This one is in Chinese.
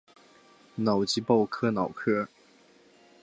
瑙吉鲍科瑙克。